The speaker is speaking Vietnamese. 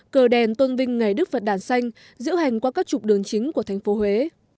cờ đèn tôn vinh ngày đức phật đàn xanh diễu hành qua các trục đường chính của thành phố huế